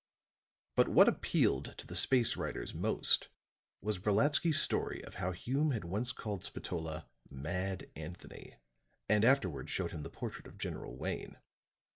But what appealed to the space writers most was Brolatsky's story of how Hume had once called Spatola "Mad Anthony," and afterward showed him the portrait of General Wayne.